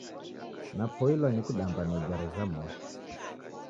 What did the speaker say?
Napoilwa ni kudamba na igare jha mosi